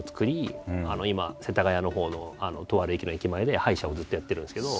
今世田谷のほうのとある駅の駅前で歯医者をずっとやってるんですけど。